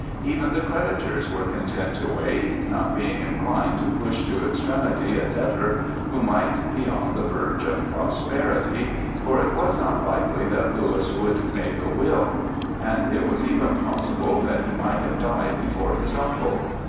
Even the creditors were content to wait, not being inclined to push to extremity a debtor, who might be on the verge of prosperity, for it was not likely that Louis would make a will; and it was even possible that he might have died before his uncle.